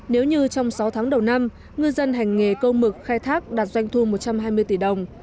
nếu như trong sáu tháng đầu năm ngư dân hành nghề câu mực khai thác đạt doanh thu một trăm hai mươi tỷ đồng